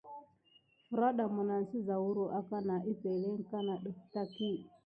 Ferada minane siza huro akana epəŋle kana def taki.